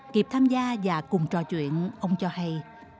kịp tham gia và cùng trò chuyện ông cho hay